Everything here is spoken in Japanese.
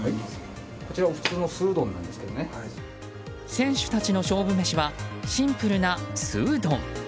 選手たちの勝負メシはシンプルな素うどん。